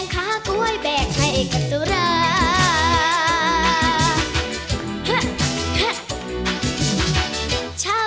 เจ้าเบ่งว่า